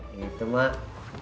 yang itu mak